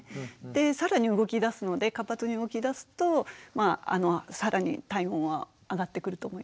で更に動きだすので活発に動きだすと更に体温は上がってくると思います。